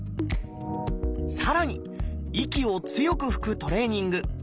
さらに息を強く吹くトレーニング。